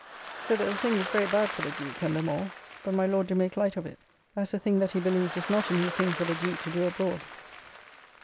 ] So that the thing is very bad for the Duke, and them all; but my Lord do make light of it, as a thing that he believes is not a new thing for the Duke to do abroad.